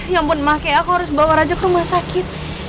ya ampun pakai aku harus bawa raja ke rumah sakit